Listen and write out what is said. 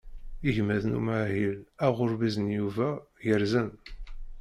Igmaḍ n umahil aɣurbiz n Yuba gerrzen.